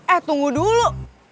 eh tunggu dulu